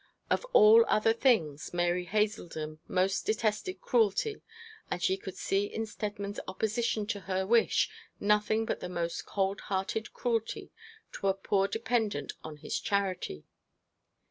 Of all other things, Mary Haselden most detested cruelty; and she could see in Steadman's opposition to her wish nothing but the most cold hearted cruelty to a poor dependent on his charity.